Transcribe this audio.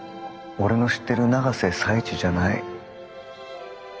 俺の知ってる永瀬財地じゃない。